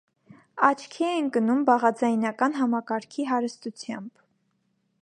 Աչքի է ընկնում բաղաձայնական համակարգի հարստությամբ։